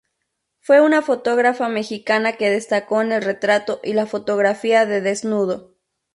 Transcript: Fue una fotógrafa mexicana que destacó en el retrato y la fotografía de desnudo.